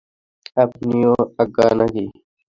আপনিও আন্ধা নাকি?